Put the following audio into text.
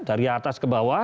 dari atas ke bawah